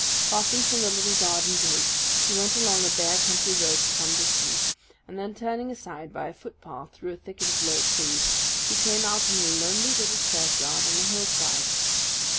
Passing from the little garden gate, she went along a bare country road for some distance, and then, turning aside by a footpath through a thicket of low trees, she came out in a lonely little churchyard on the hillside.